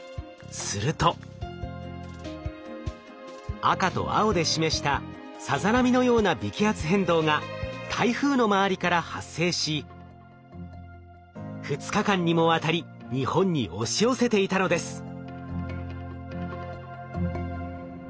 すると赤と青で示したさざ波のような微気圧変動が台風の周りから発生し２日間にもわたり日本に押し寄せていたのです。